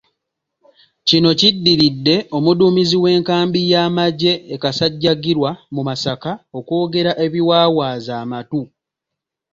Kino kiddiridde omuduumizi w'enkambi y'amagye e Kasajjagirwa mu Masaka okwogera ebiwawaaza amatu.